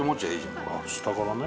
下からね。